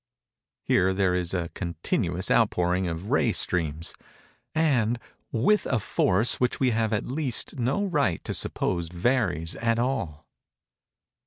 Here there is a continuous outpouring of ray streams, and with a force which we have at least no right to suppose varies at all.